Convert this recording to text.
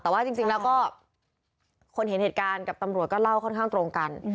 แต่ว่าจริงแล้วก็คนเห็นเหตุการณ์กับตำรวจก็เล่าค่อนข้างตรงกัน